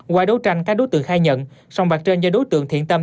qua đấu tranh các đối tượng khai nhận sòng bạc trên do đối tượng thiện tâm